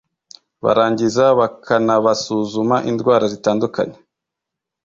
barangiza bakanabasuzuma indwara zitandukanye